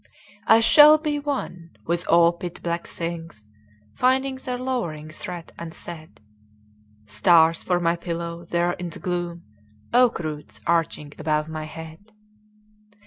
I shall be one with all pit black things Finding their lowering threat unsaid: Stars for my pillow there in the gloom,— Oak roots arching about my head!